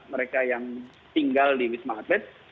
mereka yang tinggal di wisma atlet